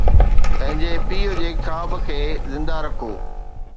پنهنجي پيءُ جي خواب کي زندهه رکو